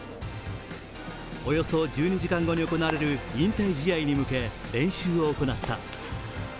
およそ１２時間後に行われる引退試合に向け、練習を行った。